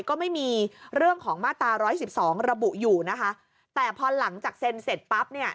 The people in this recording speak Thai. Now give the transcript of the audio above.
ก็ไม่มีเรื่องของมาตราร้อยสิบสองระบุอยู่นะคะแต่พอหลังจากเซ็นเสร็จปั๊บเนี่ย